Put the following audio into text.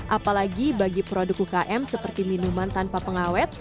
apalagi bagi produk ukm seperti minuman tanpa pengawet